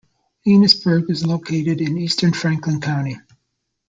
Enosburgh is located in eastern Franklin County.